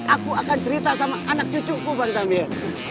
aku akan cerita sama anak cucuku bang sammia